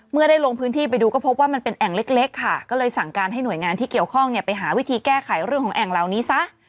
เมื่อได้ลงพื้นที่ไปดูก็พบว่ามันเป็นแอ่งเล็กค่ะก็เลยสั่งการให้หน่วยงานที่เกี่ยวข้องเนี่ยไปหาวิธีแก้ไขเรื่องของแอ่งเหล่านี้ซะ